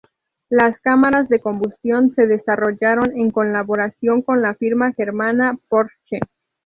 Las cámaras de combustión se desarrollaron en colaboración con la firma germana Porsche.